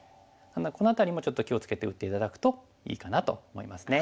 この辺りもちょっと気を付けて打って頂くといいかなと思いますね。